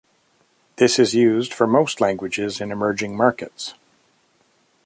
This is used for most languages in emerging markets.